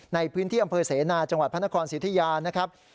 ในพื้นที่อำเภอเสนาจังหวัดพระนครสิทธิยานะครับ